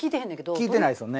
聞いてないですよね。